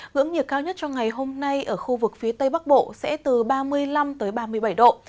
ngưỡng nhiệt cao nhất cho ngày hôm nay ở khu vực phía tây bắc bộ sẽ từ ba mươi năm ba mươi bảy độ